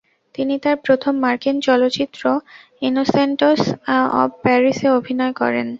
তিনি তার প্রথম মার্কিন চলচ্চিত্র ইনোসেন্টস্ অব প্যারিস-এ অভিনয় করেন।